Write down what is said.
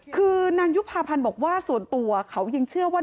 คือนางยุภาพันธ์บอกว่าส่วนตัวเขายังเชื่อว่า